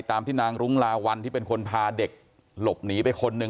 ตามที่นางรุ้งลาวัลที่เป็นคนพาเด็กหลบหนีไปคนหนึ่ง